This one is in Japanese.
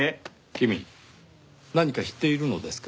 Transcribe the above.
君何か知っているのですか？